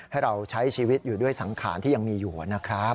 ให้เราใช้ชีวิตอยู่ด้วยสังขารที่ยังมีอยู่นะครับ